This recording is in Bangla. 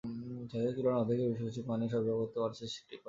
চাহিদার তুলনায় অর্ধেকের কিছু বেশি পানি সরবরাহ করতে পারছে সিটি করপোরেশন।